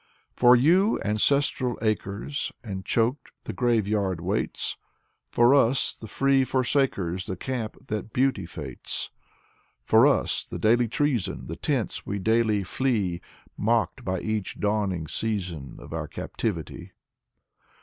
For you — ^ancestral acres, And, choked, the graveyard waits. For us, the free forsakers, — The camp that Beauty fates. For us — the daily treason. The tents we daily flee. Mocked by each dawning season Of our captivity.